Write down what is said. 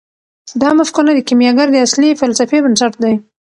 دا مفکوره د کیمیاګر د اصلي فلسفې بنسټ دی.